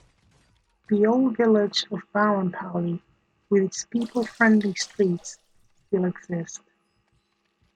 The old village of Bowenpally with its people-friendly streets still exist.